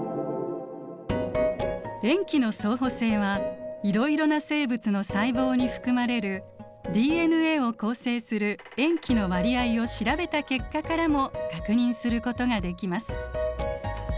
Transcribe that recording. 塩基の相補性はいろいろな生物の細胞に含まれるＤＮＡを構成する塩基の割合を調べた結果からも確認することができます。